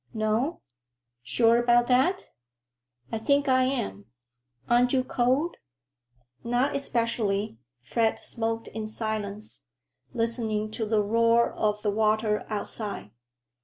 No? Sure about that?" "I think I am. Aren't you cold?" "Not especially." Fred smoked in silence, listening to the roar of the water outside.